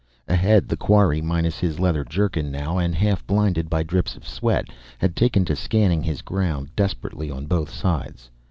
Ahead, the quarry, minus his leather jerkin now and half blinded by drips of sweat, had taken to scanning his ground desperately on both sides.